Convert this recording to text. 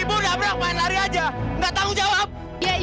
iya sebentar mbak